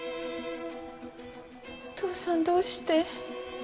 お父さんどうして？